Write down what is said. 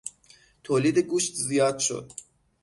تولید گوشت زیاد شد.